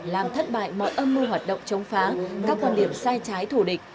làm thất bại mọi âm mưu hoạt động chống phá các quan điểm sai trái thù địch